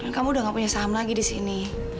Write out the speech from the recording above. dan kamu udah gak punya saham lagi disini